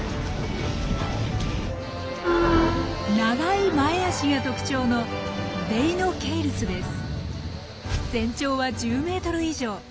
長い前足が特徴の全長は１０ｍ以上。